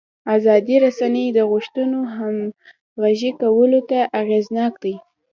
ازادې رسنۍ د غوښتنو همغږي کولو کې اغېزناکې دي.